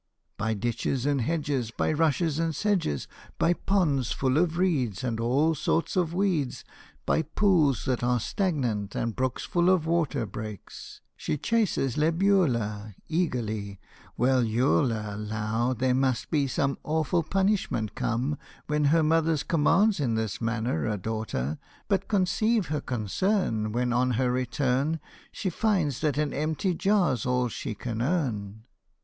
By ditches and hedges, by rushes and sedges, By ponds full of reeds and all sorts of weeds, By pools that are stagnant, and brooks full of waterbreaks, She chases Libellula Eagerly. [Well, you '11 a Llow there must some Awful punishment come When her mother's commands in this manner a daughter breaks.] But conceive her concern When, on her return, She finds that an empty jar's all she can earn.